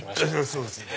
そうですよね。